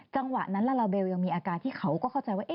จังหวะนั้นลาลาเบลยังมีอาการที่เขาก็เข้าใจว่า